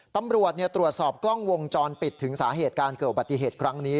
ตำรวจตรวจสอบกล้องวงจรปิดถึงสาเหตุการเกิดอุบัติเหตุครั้งนี้